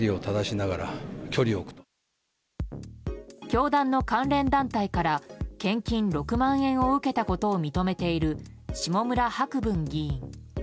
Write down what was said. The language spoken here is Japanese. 教団の関連団体から献金６万円を受けたことを認めている下村博文議員。